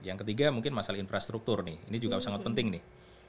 yang ketiga mungkin masalah infrastruktur nih ini juga sangat penting nih